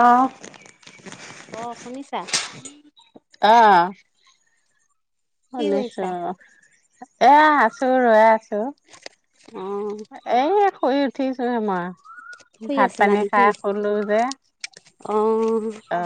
অ অ', শুনিছা? উম [inaudible] অ' কি শুনিছোঁ কৰিছা অ। এ, আছোঁ, ৰৈ আছ অ এই শুই উঠিছ এমা শুই ভাত আছিলা পানী নেকি সাই শুলোঁ যে অ' উম, অ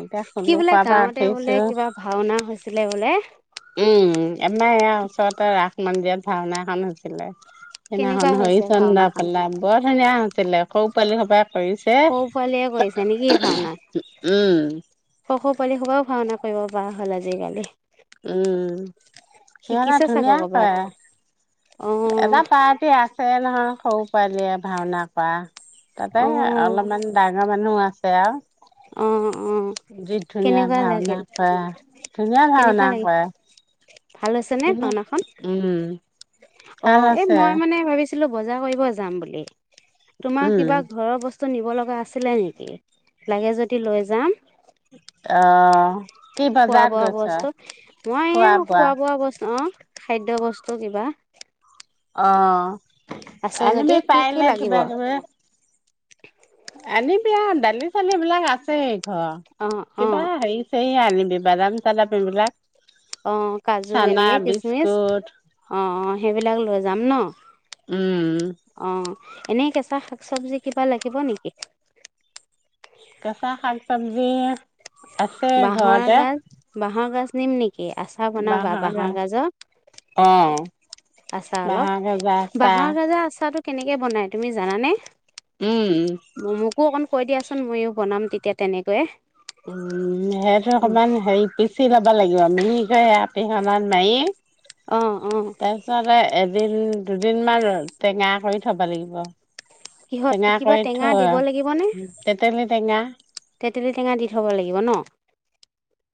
এতিয়া কি শুলো বোলে খোৱাৰ পৰা গাঁৱতে উঠিছো বোলে কিবা ভাওঁনা হৈছিলে বোলে? উম আমাৰ ইয়াৰ ওচৰতে ৰাস মন্দিৰত ভাওনা এখন হৈছিলে। কেনেকুৱা সেইদিনাখন হৈছে হৰিচন্দ্ৰ ভাওনাখন পালা, বৰ ধুনীয়া হৈছিলে, সও‌ পোৱালি সোপাই কৰিছে, সৰু পোৱালীয়ে কৰিছে উম। [inaudible] সও সও পোৱালি সোপায়ো ভাওনা কৰিব পৰা হ'ল আজিকালি উম সিহঁতে শিকিছে চাগৈ ধুনীয়া কৰে। কৰ'বাত অ এবাৰ পাৰ্টি আছে নহয়। সৰু পোঁৱালিয়ে ভাওঁনা কৰা। অ তাতে অলপমান ডাঙৰ মানুহ আছে আৰু। অ অ যি ধুনীয়া কেনেকুৱা ভাওনা লাগিল কৰা, ধুনীয়া কেনেকুৱা ভাওনা লাগিল কৰে। ভাল হৈছে নে ধুনীয়া ভাওনাখন? উম ভাল অ', এ, আছে মই মানে ভাবিছিলো বজাৰ কৰিব যাম বুলি। তোমাৰ উম কিবা ঘৰৰ বচ [unintelligible] নিব লগা আছিলে নেকি? লাগে যদি লৈ যাম। অহ। খোৱা বোৱা বস্তু, মই এওঁ খোৱা বোৱা বস্তু। অ'। খাদ্য বস্তু কিবা। অ'। আছে যদি আনিবি কি কি পাৰিলে লাগিব কিবা কিবা। [inaudible] আনিবি আৰু দালি চালি বিলাক আছেই। অ', কিবা হেই ছেই আনি বাদাম চাদাম এইবিলাক। অ', কাজু চানা এনেকে কিচমিচ, বিস্কুট অ'। সেইবিলাক লৈ যাম ন'? উম। অ'। এনে কেঁচা শাক চবজি কিবা লাগিব নেকি? কেঁচা শাক চব্জি, আছে বাঁহৰ ঘৰতে। গাজ বাঁহৰ গাজ নিম নি? [unintelligible] আচাৰ বনাবা বাঁহৰ গাজৰ? অ আচাৰ অলপ, বাঁহৰ গাজা আচাৰ বাঁহৰ গাজৰ আচাৰটো কেনেকে বনাই তুমি জানা নে? উম ম মোকো অকণ কৈ দিয়াচোন, ময়ো বনাম তেতিয়া তেনেকৈয়ে। উম, হেইতো অ অকণমান হেৰি পিচি লব লাগে [unintelligible] মিহিকে পিহনাত মাৰি অ অ তাৰপিছতে এ দুদিন দুদিনমান টেঙা কৰি থ'ব লাগিব। কিহত টেঙা কিবা কৰি টেঙা দিব থোৱা, লাগিবনে তেতেলী টেঙা। তেতেলী টেঙা দি থ'ব লাগিব ন'?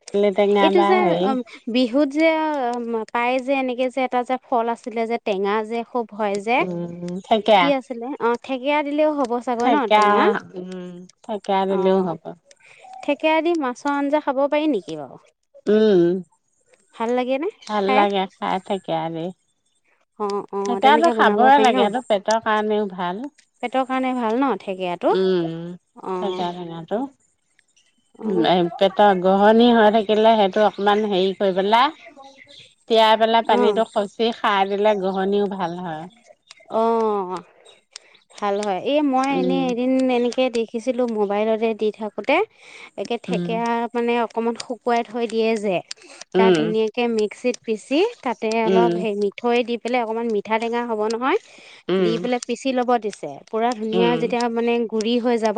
তেতেলী টেঙা এইটো বা যে হেৰি অ', বিহুত যে অ' পায় যে এনেকে যে এটা যে ফল আছিলে যে টেঙা যে। খুব হয় যে উম থেকেৰা কি আছিলে অ', থেকেৰা দিলেও হ'ব চাগৈ ন' থেকেৰা টেঙা উম থেকেৰা দিলেও অ',। হ'ব থেকেৰা দি মাছ ছৰ আঞ্জা খাব পাৰি নেকি বাৰু? উম, ভাল লাগে নে ভাল খাই লাগে খাই থেকেৰা দি। অ অ থেকৰাটো তেনেকে বনাব খাবই পাৰি ন লাগেটো পেটৰ কাৰণেও ভাল পেটৰ কাৰণে ভাল ন ঠেকেৰাটো উম, অ থেকেৰা টেঙাটো। পেটৰ গহনি হৈ থাকিলে সেইটো অকমান হেৰি কৰি পেলাই তিয়াই পেলাই পানীতটো খচি খাই দিলে গহনিও ভাল হয়। অ', অ', অ'। ভাল হয়। এই মই এনেই উম, এদিন এনেকে দেখিছিলোঁ মোবাইলতে দি থাকোঁতে। একে উম, থেকেৰা মানে অকণমান শুকুৱাই থৈ দিয়ে যে। তাত উম, ধুনীয়াকে মিক্সিত পিচি তাতে উম, অলপ হে মিঠৈ দি হিফালে অকনমান মি মিঠাটেঙা হ'ব নহয়। দি উম, পেলাই পিচি ল'ব দিছে। পুৰা ধুনীয়া উম, যেতিয়া মানে গুৰি হৈ যাব।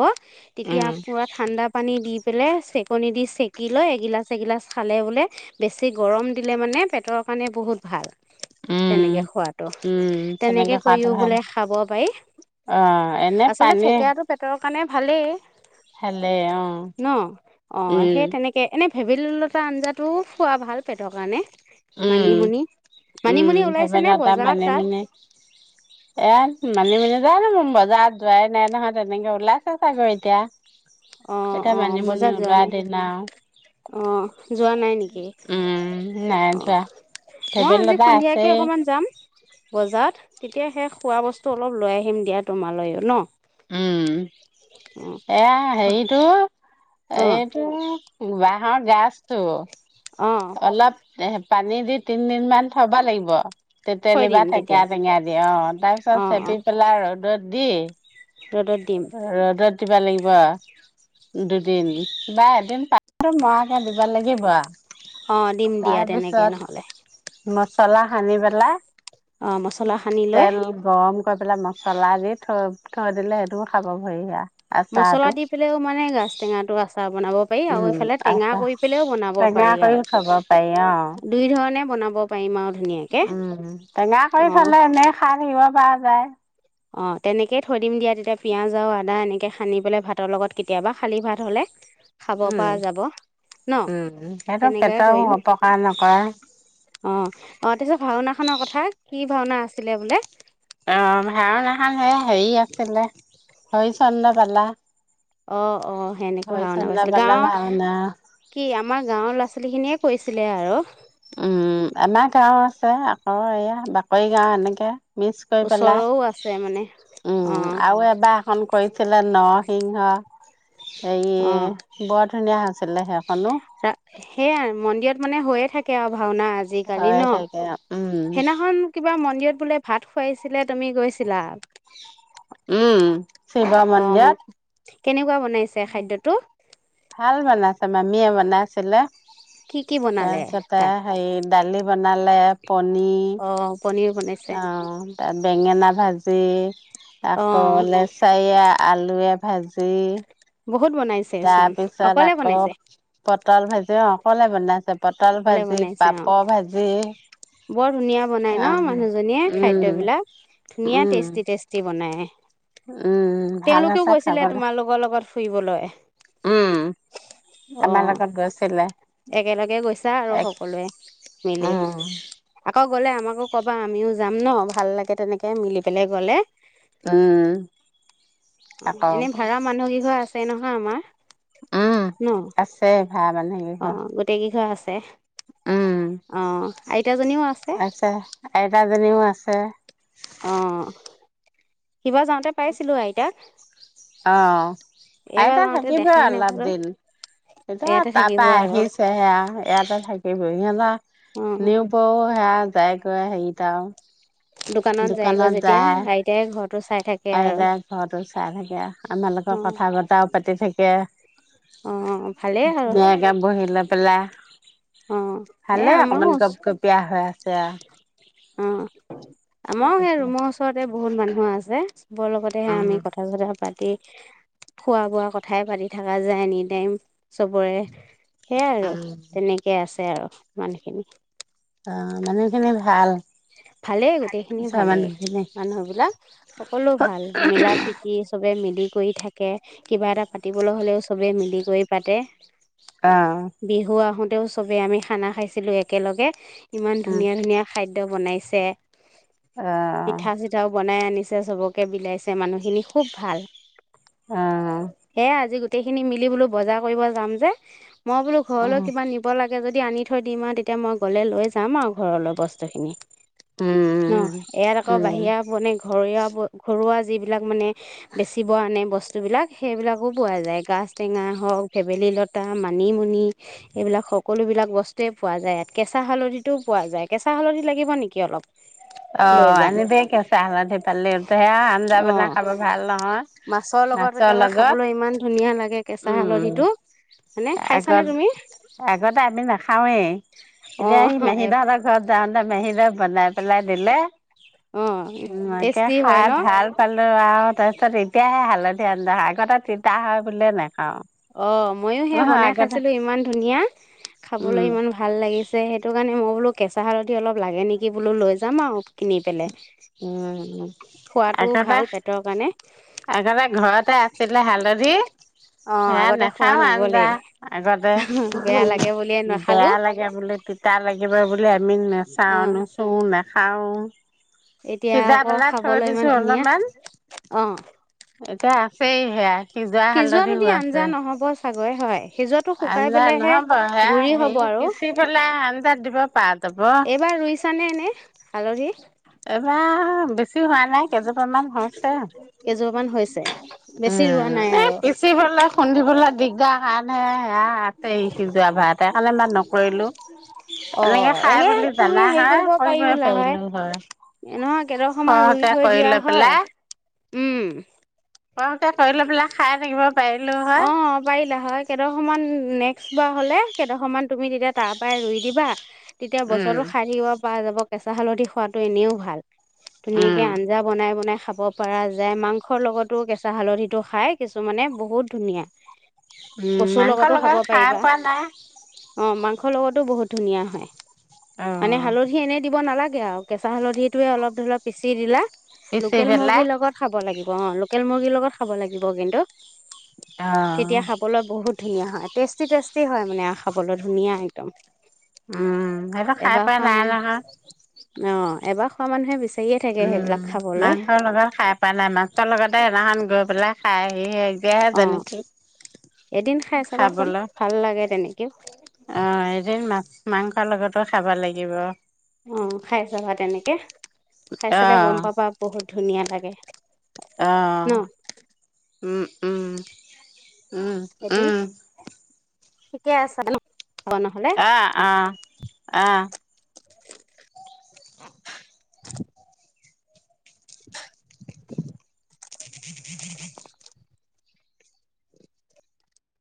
তেতিয়া উম, পুৰা ঠাণ্ডা পানী দি। পেলাই চেকনি দি চেকি লৈ এগিলাচ-এগিলাচ খালে বোলে বেছি গৰম দিলে মানে পেটৰ কাৰণে বহুত ভাল। উম, তেনেকে সোৱাদ। উম, তেনেকে খোৱাটো ভাল, পাৰি আহ এনে আচলতে পানী থেকেৰাটো পেটৰ কাৰণে ভালেই। ভালে অ, ' উম। ভেবেলী লতা আঞ্জাটো খোৱা ভাল পেটৰ কাৰণে। উম, মানিমুনি উম, মানিমুনি ওলাইছে নে ভেবেলতা মান বজাৰত তাত মানে, এ মানিমুনি জানো মই বজাৰত যোৱাই নাই নহয় তেনেকে ওলাইছে চাগৈ এতিয়া। অ', এতিয়া অ, ' মানিমুনি বজাৰত যোৱা ওলোৱা নাই, দিন আৰু অ, ' যোৱা নাই নেকি? উম, নাই অ'। যোৱা অ' মই আজি ভেবেলিলতা সন্ধিয়াকে আছেই অকমান যাম। বজাৰত তেতিয়া সেই খোৱা বস্তু অলপ লৈ আহিম দিয়া তোমালৈও ন? উম। এইয়া হেৰিটো। অ অ এইটো বাঁহৰ গাজটো। অ অলপ এ পানী দি তিনদিন মান থ'বা লাগিব। থৈ তেতেলি দিম বা তেতিয়া অ থেকীয়া টেঙিয়া দি, অ' তাৰ পিছত অ চেপি পেলাই ৰ'দত দি [inaudible] ৰ'দত দিম ৰ'দত দিবা লাগিব। [unintelligible] দুদিন বা এদিন পাকটো মৰাকে দিব লাগিব। অ, ' দিম দিয়া তেনেকে নহ'লে। চলা সানি পেলাই। অ মছলা সানি লৈ তেল গৰম। পেলাই মছলা দি থৈ থৈ দিলে সেইটোও খাব ভৰি হিয়া। মছলা দি পেলাইও মানে গাছ টেঙাটো আচাৰ বনাব পাৰি আৰু উম, এইফালে টেঙা আছা, কৰি পেলাইও বনাব টেঙা পাৰি আৰু কৰিও খাব পাৰি অ'। [unintelligible] বনাব পাৰিম আৰু। ধুনীয়াকে উম, টেঙা কৰি অঁ খালে এনেই খাই থাকিব পাৰ নাই। অ, ' তেনেকেই থৈ দিম দিয়া তেতিয়া পিয়াজ আৰু আদা এনেকে সানি পেলাই ভাতৰ লগত কেতিয়াবা খালী ভাত হলে। খাব পৰা উম, যাব, ন' উম, সেইটো তেনেকুৱাই পেটৰো কৰিম অপকাৰ নকৰে। অ', অ, ' অ', তাৰপিছত ভাওঁনা খনৰ কথা, কি ভাওঁনা আছিলে বোলে? [unintelligible] ভাওঁনাখন হে? সেই আছিলে, হৈ চন্দ পালা। অ, ' অ, ' সেনেকুৱা ভাওনা হৰিচন্দ্ৰ পাইছিল, পালা গাঁৱৰ ভাওনা। কি আমাৰ গাঁৱৰ ল'ৰা ছোৱালী খিনিয়ে কৈছিলে আৰু? উম, আমাৰ গাঁওৰ আছে, আকৌ এয়া বাকৰি গাওঁ এনেকে, মিক্স কৰি পেলাই, ওচৰৰো আছে মানে উম, অঁ আৰু এবাৰ এখন কৰিছিলে ন সিংহ অঁ এয়ে বধ ধুনীয়া হৈছিলে সেইখনো। সেয়াই, মন্দিৰত মানে হৈয়ে থাকে আৰু। ভাওনা আজিকালি হৈয়ে ন? থাকে উম সেইদিনাখন কিবা মন্দিৰত বোলে ভাত খোৱাইছিলে, তুমি গৈছিলা? উম। শিৱ অ মোক মন্দিৰত। কেনেকুৱা বনাইছে খাদ্যটো ভাল বনাইছে মামীয়ে বনাাইছিলে। কি কি বনালে তাৰপিছতে, তাত সেই দালি বনালে অ পনিৰ, পনিৰ বনাইছে আৰু তাত বেঙেনা ভাজ [unintelligible] অ আকৌ লেচাইয়ে আলুয়ে ভাজি বহুত বনাইছেচোন, অকলে বনাইছে? তল ভাজি অকলে বনাইছে পটল অকলে ভাজি, বনাইছে অ পাপ ভাজি বৰ ধুনীয়া বনাই ন? অ' মানুহজনীয়ে উম, খাদ্য বিলাক। ধুনীয়া উম, টেষ্টি, টেষ্টি বনাই। [unintelligible] উম, ভাল হৈছে তেওঁলোকেও গৈছিলে খাবলৈ তোমাৰ লগৰ লগত। ফুৰিবলৈ। উম, অ আমাৰ লগত গৈছিলে একেলগে গৈছা আৰু এক উম। অকৈ গলে আমাকো কবা আমিও যম ন ভাল লাগে তেনেকৈ মিলি পেলাই গলে। [unintelligible] আকৌ অ', ভাৰা মানুহ কেঘৰ এছ তে নহয় আমাৰ অ', ন আছে ভাৰা মানুহ কৈ ঘৰ। তে অ', আইতাজনিও আছে। জনিও আছে। অ সিবাৰ যাওঁতে পাইছিলো আইতাক অ', এইবাৰ আইতা যাওঁতে থাকিবই দেখাই অলপ নাপালো দিন, এতিয়া ইয়াতে থাকিব তাৰপা আৰু অ আহিছে অহ যাত্ৰী থাকিবই যপা আমাৰ নিয়ুপো সেয়া তাই কৈ হেৰী আও দোকানত জয়গৈ যেতিয়া আইতাই ঘৰটো ছাই থাকে প্ৰাই আৰু ভাগ ঘৰটো চাই থাকে আমা লগত অ কথা বতৰাও পাতি ঠিকে। অ ভালেই আৰু ধুনীয়াকে বহিলে। অ [unintelligible] ভালেই অকমান গপ গোপিয় হৈ আছে। আৰু উম, আমাৰো সাই এতিয়া ৰোমৰ উচৰতাই। বহুত মানুহ আছে। বও লগতেই উম আমি কথা ছটা পাতি খোৱা বোৱা কথাই পাতি থকা যায় এনি টাইম ছবিৰে। সৈয়া আৰু, উম তেনেকৈ আছে আৰু। মানুহখিনি অ', মানেখিনি ভাল। ভালেই গোটেইখিনি ওচৰৰ ভালেই, মানুহখিনি মানুহবিলাক সকলো ভাল মিলা প্ৰীতি সৱে মিলি কৰি থাকে। কিবা এটা পাতিবলৈ হলে চবে মিলি কৰি পাতে। অ বিহু আহোঁ তেওঁ চবে আমি খানা খাইছিলোঁ একেলগে ইমান উম ধুনীয়া ধুনীয়া খাইড বনাইছে পিঠা চিঠাও বনাই আনিছ সে সৱকৈ বিলাইছে মানে মানুহখিনি খুব ভাল। অ অ এ আজি গোট গুটিখিনি মিলি বলো বজাৰ কৰিব যম যে তে মো বোলো ঘৰলৈও উম কিবা নিব লাগে যদি যদি আনি থৈ দিম আৰু তেতিয়া মই গ'লে লৈ যাম আৰু ঘৰলৈ বস [unintelligible] ন উম, ইয়াত আকৌ উম। বাহিৰা বনে ঘৰৱা-ঘৰুৱা যিবিলাক মানে বেচিব আনে বস্তুবিলাক সেইবিলাকো পোৱা যায় গাজ টেঙা হওঁক, ভেবেলি লতা, মানিমুনি এইবিলাক সকলোবিলাক বস্তুৱেই পোৱা যায় ইয়াত কেঁচা হালধিতো পোৱা যায় কেঁ কেঁচা হালধি লাগিব নেকি অলপ? লৈ অ', যাম আনিবেই কেঁচা হালধি পালেতে সেয়া আঞ্জা অ বনা খাব ভাল নহয়। লগত মাছৰ একেবাৰে লগত খাবলৈ ইমান ধুনীয়া লাগে কেঁচা উম, হালধিটো হয়নে খাইছানে আগত তুমি আগতে আমি নাখাওঁয়েই। এতিয়া সি অ [unintelligible] ঘৰত যাওঁতে মে [unintelligible] বনাই পেলা নিলে অ', [unintelligible] টেষ্টি হয় ন? খাই ভাল পালোঁ আৰু। অ', তাৰ পিছত এতিয়াহে হালধীয়া হালধীয়া হয়, আগতে তিতা হয় বুলিয়ে নাখাওঁ। অ', ময়ো সেয়া অ' বনাই আগতে খাইছিলোঁ, ইমান ধুনীয়া। খাবলৈ উম, ইমান ভাল লাগিছে, সেইটো কাৰণে মই বোলো কেঁচা হালধি অলপ লাগে নেকি বোলো, লৈ যাম আৰু। কিনি পেলাই। উম, খোৱাটোও আগতে, ভাল পেটৰ কাৰণে আগতে ঘৰতে আছিলে হালধি অ', সেয়া আগতে খোৱা নাখাওঁ আঞ্জা, নগলেই আগতে, বেয়া লাগে বুলিয়ে নাখালো বেয়া লাগে বুলি, তিতা লাগে কিবা বোলে আমি নেচাওঁ, অ', নুচোওঁ, নেখাওঁ [unintelligible] এতিয়া আকৌ খাবলৈ ইমান দিছো ধুনীয়া, অলপমান অ'। এতিয়া আছেই সেয়াই। সিজোৱাটোদি আঞ্জা ন'হব চাগৈ হয়, সিজোৱাটো শুকাই আঞ্জা পেলাইহে নহ'ব গুৰি হব আৰু। তাত দিব পাত এইবাৰ ৰুইছানে এনেই? হালধি। এইবাৰ বেছি হোৱা নাই কেইজোপা মান হৈছে, কেইজোপামান হৈছে? বেছি উম, ৰোৱা নাই এই আৰু। পিচিবলৈ খুন্দিবলৈ দিগদাৰ কাৰণে এয়া আছেই সিজোৱা ভাত [unintelligible] কৰিলো, অ এনেকে খাই এনে বুলি তুমি জানা হেৰি হয়, কৰিব পাৰিলা পাৰিলো হয়। নহয় কেইদখৰমান ৰুই সৰহকে থৈ কৰি দিয়া লৈ পেলাই হয়, উম। পাৰোঁতে কৰি লৈ পেলাই খাই থাকিব পাৰিলো হয়। অ', পাৰিলা হয়, কেইদখৰমান নেক [unintelligible] জোপা হ'লে কেইদখৰমান তুমি তেতিয়া তাৰ পৰাই ৰুই দিবা। তেতিয়া উম, বছৰো খাই থাকিব পৰা যাব। কেঁচা হালধি খোৱাটো এনেও ভাল। উম। ধুনীয়াকে আঞ্জা বনাই বনাই খাব পৰা যায়, মাংসৰ লগতো কেঁচা হালধিটো খাই কিছুমানে। বহুত ধুনিয়া উম মাংস লগাই খাই পোৱা নাই। অ মাংসৰ লগতো বহুত ধুনীয়া হয়। মানে অ'। হালধি এনে দিব নালাগে গে আৰু, কেঁচা হালধি টোৱে অলপ ধৰিলক পিচি দিলা। পিচি লোকেল পেলাই। মুৰ্গীৰ লগত খাব লাগিব। অ, লোকেল মুৰ্গীৰ লগত খাব লাগিব কিন্তু। অ'। তেতিয়া খাবলৈ বহুত ধুনীয়া হয়, টেষ্টি-টেষ্টি হয় মানে আও খাবলৈ ধুনীয়া একদম। উম সেইটো খাই এবাৰ পোৱা খোৱা নাই মানে নহয়। অ, এবাৰ খোৱা মানুহে বিচ উম। মাংসৰ লগত খাই পোৱা নাই, মাছৰ লগতে সদিনাখন গৈ পেলাই খায় অ', এদিন খাই চাবাচোন ভাল লাগে তেনে আ এদিন মাছ মাংস লগতো খাব লাগিব। অ', খাই চাবা তেনেকে, খাই চালে গম অ', পাবা বহুত ধুনীয়া লাগে। অ ন উম উম। উম, এদিন উম। ঠিকে আছে ন হ'ব নহ'লে আহ, অ আহ, আহ। [inaudible] [unintelligible] [inaudible] [unintelligible]